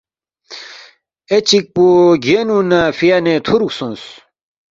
اے چِکپو گینُو نہ فیانے تُھورُو سونگس